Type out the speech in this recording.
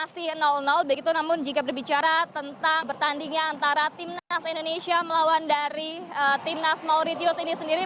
begitu namun jika berbicara tentang pertandingan antara timnas indonesia melawan dari timnas mauritius ini sendiri